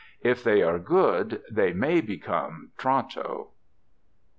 If they are good they may become Toronto.